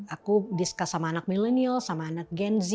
aku discus sama anak milenial sama anak gen z